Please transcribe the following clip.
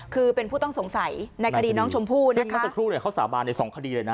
คือเป็นผู้ต้องสงสัยในคดีน้องชมพู่นะซึ่งเมื่อสักครู่เนี่ยเขาสาบานในสองคดีเลยนะ